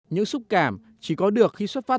những xúc cảm chỉ có được khi xuất phát